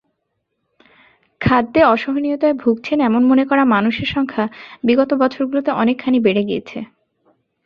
খাদ্যে অসহনীয়তায় ভুগছেন এমন মনে করা মানুষের সংখ্যা বিগত বছরগুলোতে অনেকখানি বেড়ে গিয়েছে।